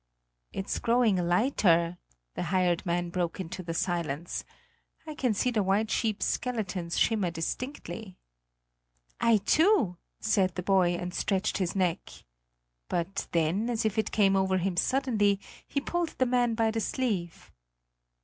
"It is growing lighter," the hired man broke into the silence; "I can see the white sheeps' skeletons shimmer distinctly!" "I too," said the boy and stretched his neck; but then, as if it came over him suddenly, he pulled the man by the sleeve.